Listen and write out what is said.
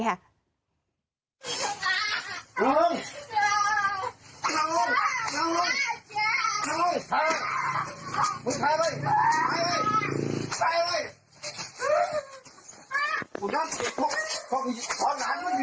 ดูนั่งสิครบเรือด้านมากที